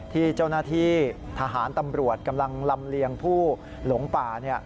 ที่เจ้าหน้าที่ทหารตำรวจกำลังลำเลียงผู้หลงป่า